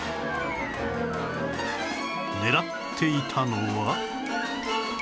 狙っていたのは